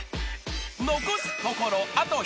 ［残すところあと１つ］